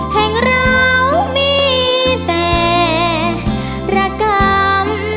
แห่งเรามีแต่ระกรรม